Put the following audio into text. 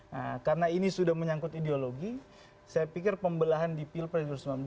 nah karena ini sudah menyangkut ideologi saya pikir pembelahan di pilpres dua ribu sembilan belas juga akan ikut mewarnai di